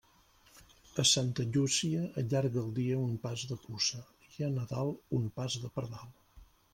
A Santa Llúcia allarga el dia un pas de puça, i a Nadal un pas de pardal.